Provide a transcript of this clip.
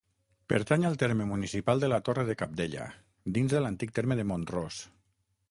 Pertany al terme municipal de la Torre de Cabdella, dins de l'antic terme de Mont-ros.